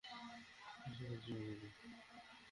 তাদের সাহায্য কর।